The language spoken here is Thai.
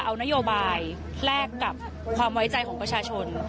เอานโยบายแลกกับความไว้ใจของประชาชน